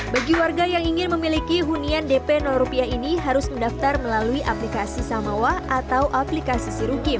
bagi warga yang ingin memiliki hunian dp rupiah ini harus mendaftar melalui aplikasi samawa atau aplikasi sirukim